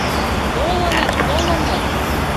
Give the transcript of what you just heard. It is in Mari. — Толыныт, толыныт...